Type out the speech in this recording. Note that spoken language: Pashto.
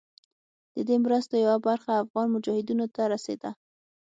د دې مرستو یوه برخه افغان مجاهدینو ته رسېده.